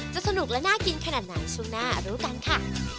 สนุกและน่ากินขนาดไหนช่วงหน้ารู้กันค่ะ